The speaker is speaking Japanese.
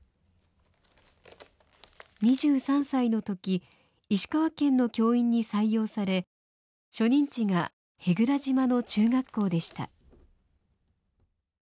２３歳の時石川県の教員に採用され初任地が舳倉島の中学校でした。